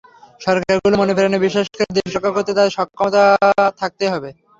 সরকারগুলো মনে–প্রাণে বিশ্বাস করে, দেশ রক্ষা করতে তাদের ক্ষমতায় থাকতেই হবে।